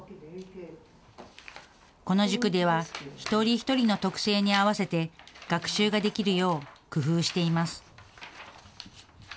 この塾では、一人一人の特性に合わせて、学習ができるよう工夫しています。